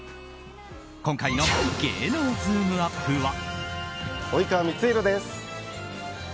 今回の芸能ズームＵＰ！は。